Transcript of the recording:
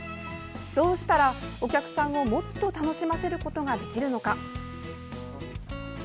どうしたらお客さんをもっと楽しませることができるのか。